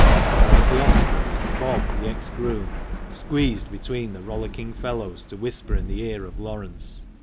One of the ostlers — Bob, the ex groom — squeezed between the rollicking fellows to whisper in the ear of Laurence.